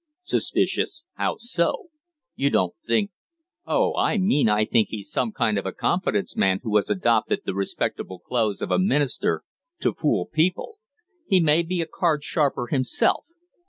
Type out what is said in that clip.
"Suspicious? How so? You don't think " "Oh, I mean I think he's some kind of a confidence man who has adopted the respectable clothes of a minister to fool people. He may be a card sharper himself.